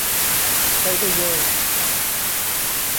ไปได้เยย